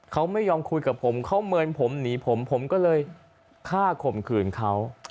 เขาไม่ยอมคุยกับผมเขาเมินผมหนีผมผมก็เลยฆ่าข่มขืนเขา